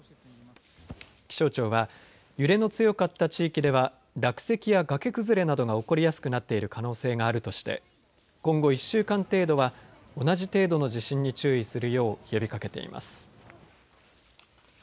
気象庁は揺れの強かった地域では落石や崖崩れなどが起こりやすくなっている可能性があるとして今後１週間程度は同じ程度の地震に注意するよう呼びかけています。